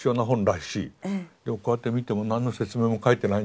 でもこうやって見ても何の説明も書いてないんです。